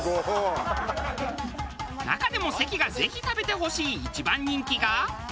中でも関がぜひ食べてほしい一番人気が。